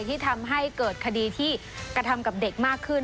ที่ทำให้เกิดคดีที่กระทำกับเด็กมากขึ้น